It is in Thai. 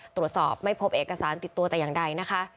ตรวจสอบไม่พบเอกสารติดตัวแต่อย่างใดนะคะ